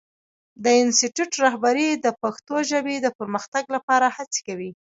د انسټیټوت رهبري د پښتو ژبې د پرمختګ لپاره هڅې کوي.